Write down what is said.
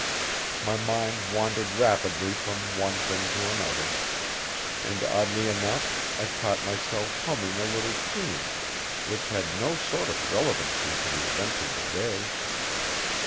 My mind wandered rapidly from one thing to another, and oddly enough I caught myself humming a little tune which had no sort of relevancy to the events of the day.